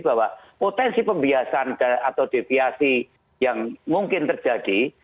bahwa potensi pembiasaan atau deviasi yang mungkin terjadi